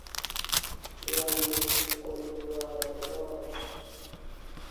Yamo oluaro dhot